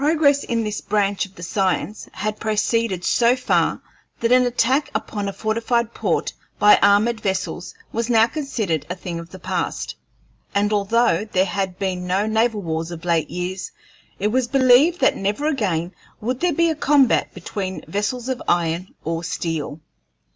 Progress in this branch of the science had proceeded so far that an attack upon a fortified port by armored vessels was now considered as a thing of the past; and although there had been no naval wars of late years, it was believed that never again would there be a combat between vessels of iron or steel.